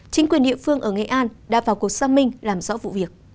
chính quyền địa phương ở nghệ an đã vào cuộc xác minh làm rõ vụ việc